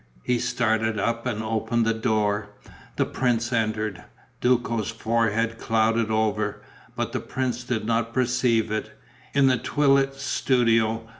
He started up and opened the door; the prince entered. Duco's forehead clouded over; but the prince did not perceive it, in the twilit studio.